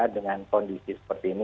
dengan kondisi seperti ini